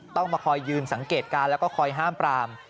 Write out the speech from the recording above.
ต้องมาคอยยืนสังเกตการณ์แล้วก็คอยห้ามปราม